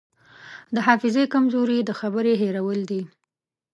د حافظې کمزوري د خبرې هېرول دي.